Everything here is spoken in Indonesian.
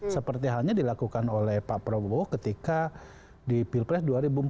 seperti halnya dilakukan oleh pak prabowo ketika di pilpres dua ribu empat belas